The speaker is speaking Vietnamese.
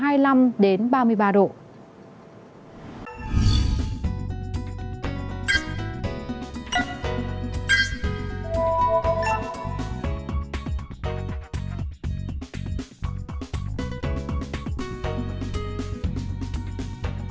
hãy đăng ký kênh để ủng hộ kênh mình nhé